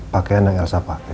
pakaian yang yelso pake